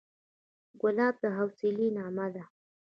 ګلاب د حوصلې نغمه ده.